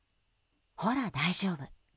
ほら、大丈夫。